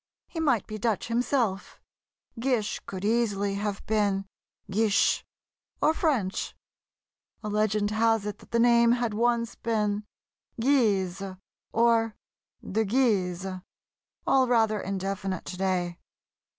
He might be Dutch himself; "Gish" could easily have been "Gisch"; or French—a legend has it that the name had once been "Guise" or "de Guise" ... all rather indefinite, today.